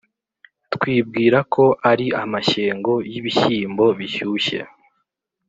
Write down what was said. twibwira ko ari amashyengo y’ibishyimbo bishyushye